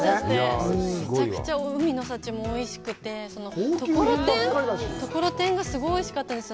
めちゃくちゃ海の幸もおいしくて、ところてんがすごいおいしかったです。